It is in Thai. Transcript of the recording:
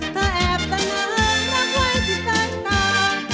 เธอแอบสนับรักไว้ที่เธอตาม